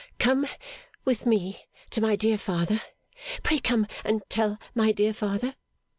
'Come with me to my dear father. Pray come and tell my dear father!